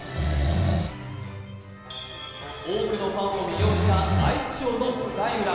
多くのファンを魅了したアイスショーの舞台裏。